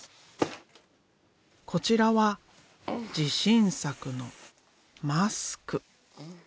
こちらは自信作のマスク。